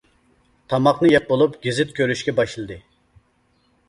تاماقنى يەپ بولۇپ گېزىت كۆرۈشكە باشلىدى.